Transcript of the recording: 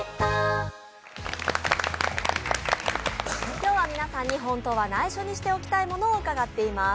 今日は皆さんに本当は内緒にしておきたいものを伺っています。